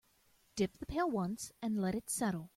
Dip the pail once and let it settle.